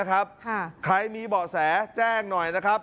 ใครมีเบาะแสแจ้งหน่อยนะครับ